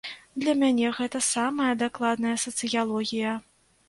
Для мяне гэта самая дакладная сацыялогія.